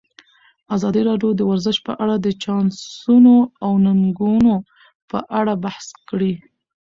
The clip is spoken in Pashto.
ازادي راډیو د ورزش په اړه د چانسونو او ننګونو په اړه بحث کړی.